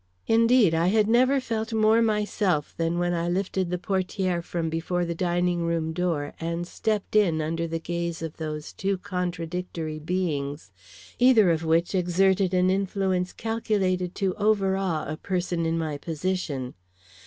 Indeed, I had never felt more myself than when I lifted the portiere from before the dining room door and stepped in under the gaze of these two contradictory beings, either of which exerted an influence calculated to overawe a person in my position.